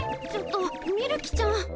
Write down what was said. ちょっとみるきちゃん。